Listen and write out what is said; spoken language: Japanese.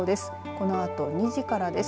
このあと２時からです。